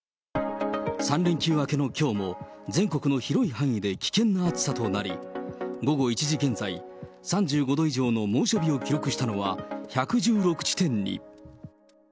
３連休明けのきょうも全国の広い範囲で危険な暑さとなり、午後１時現在、３５度以上の猛暑日を記録したのは、１１６地点に。